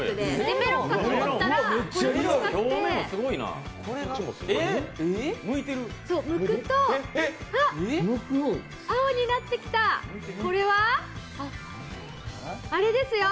メロンかと思ったら、むくと青になってきた、これはあれですよ！